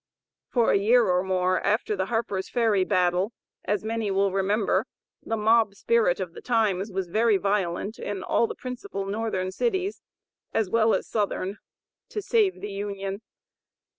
For a year or more after the Harper's Ferry battle, as many will remember, the mob spirit of the times was very violent in all the principal northern cities, as well as southern ("to save the Union.")